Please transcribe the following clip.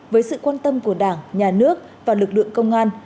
với sự quan tâm của đảng nhà nước và lực lượng công an